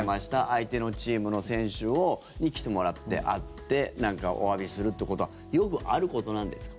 相手のチームの選手に来てもらって、会ってなんかおわびするってことはよくあることなんですか？